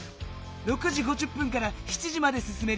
６時５０分から７時まですすめるよ。